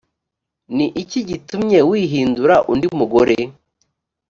ni iki gitumye wihindura undi mugore?